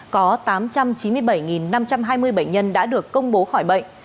có tám trăm chín mươi bảy năm trăm hai mươi bệnh nhân đã được công bố khỏi bệnh